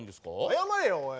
謝れよおい。